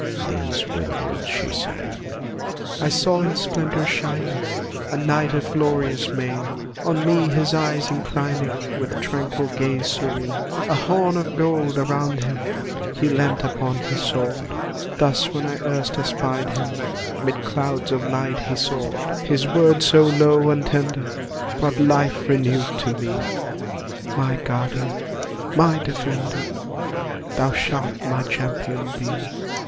These were the words she sang: "I saw in splendour shining, a Knight of glorious mien, On me his eyes inclining with tranquil gaze serene; A horn of gold around him, he leant upon his sword, Thus when I erst espied him 'mid clouds of light he soared, His words so low and tender brought life renewed to me; My guardian, my defender, thou shalt my Champion be!"